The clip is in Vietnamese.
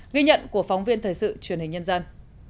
ghi nhận của phóng viên thời sự truyền hình nhân dân